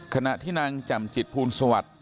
คณะที่นั่งจำจิตพูลสวัสดิ์